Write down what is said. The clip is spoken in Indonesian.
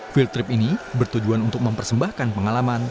field trip ini bertujuan untuk mempersembahkan pengalaman